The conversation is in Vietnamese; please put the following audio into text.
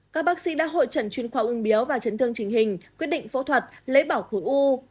các bác sĩ đã hội trận chuyên khoa ung biếu và chấn thương trình hình quyết định phẫu thuật lấy bỏ khu u